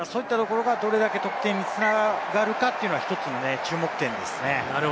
ですから、そういったところが、どれだけ得点に繋がるかというのは１つ注目点ですね。